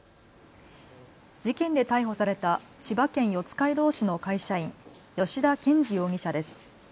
事件で逮捕された千葉県四街道市の会社員、吉田憲二容疑者です。